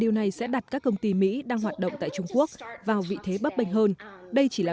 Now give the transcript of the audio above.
điều này sẽ đặt các công ty mỹ đang hoạt động tại trung quốc vào vị thế bấp bênh hơn đây chỉ là